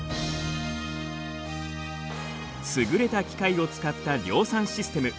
優れた機械を使った量産システム。